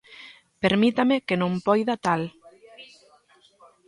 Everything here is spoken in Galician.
Permítame que non poida tal.